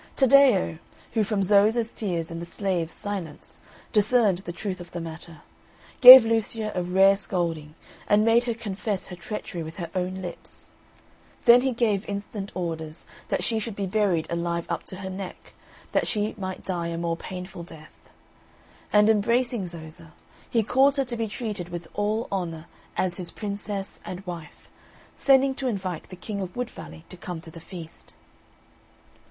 Taddeo, who, from Zoza's tears and the Slave's silence, discerned the truth of the matter, gave Lucia a rare scolding, and made her confess her treachery with her own lips. Then he gave instant orders that she should be buried alive up to her neck, that she might die a more painful death. And, embracing Zoza, he caused her to be treated with all honour as his Princess and wife, sending to invite the King of Wood Valley to come to the feast.